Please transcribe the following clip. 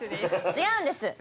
違うんです！